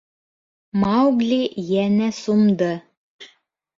Маугли йәнә сумды.